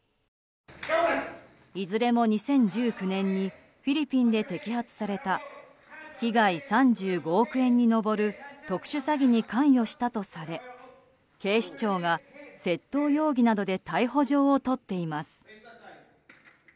いずれも２０１９年にフィリピンで摘発された被害３５億円に上る特殊詐欺に関与したとされ警視庁が窃盗容疑などで逮捕状を取っています。